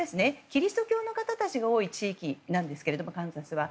キリスト教の方たちが多い地域なんですけれどカンザスは。